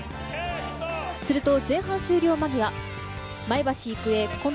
すると前半終了間際、前橋育英。